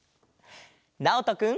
なおとくん。